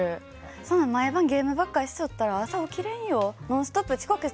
そんな毎晩ゲームばっかしちょったら朝起きれんよ。